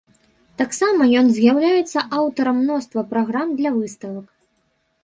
Таксама ён з'яўляецца аўтарам мноства праграм для выставак.